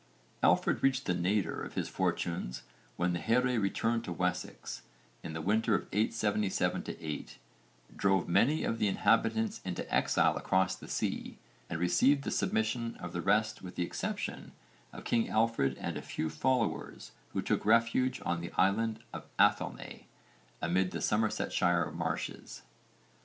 Alfred reached the nadir of his fortunes when the here returned to Wessex in the winter of 877 8, drove many of the inhabitants into exile across the sea, and received the submission of the rest with the exception of King Alfred and a few followers who took refuge in the Island of Athelney amid the Somersetshire marshes.